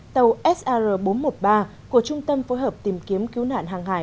tàu sr bốn trăm một mươi ba của trung tâm phối hợp tìm kiếm cứu nạn hàng hải